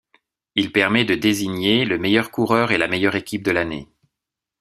Il permet de désigner le meilleur coureur et la meilleure équipe de l'année.